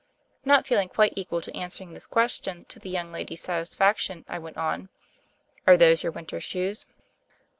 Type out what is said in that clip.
Not feeling quite equal to answering this ques tion to the young lady's satisfaction, 1 went on : "Are those your winter shoes?"